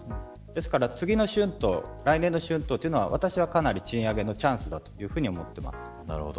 ですから、次の春闘来年の春闘は、私はかなり賃上げのチャンスだと思っています。